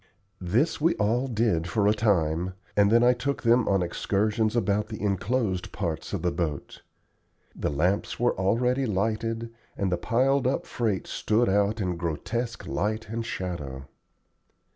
This we all did for a time, and then I took them on excursions about the enclosed parts of the boat. The lamps were already lighted, and the piled up freight stood out in grotesque light and shadow.